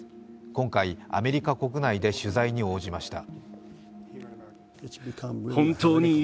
今回、アメリカ国内で取材に応じました。